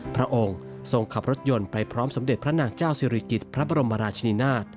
พระองค์ทรงขับรถยนต์ไปพร้อมสมเด็จพระนางเจ้าศิริกิจพระบรมราชนีนาฏ